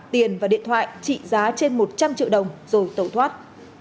tiền và điện thoại trị giá trên một trăm linh triệu đồng rồi tẩu thoát